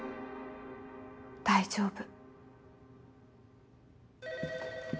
大丈夫。